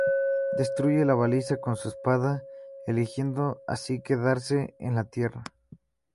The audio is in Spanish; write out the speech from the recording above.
Destruye la baliza con su espada, eligiendo así quedarse en La Tierra.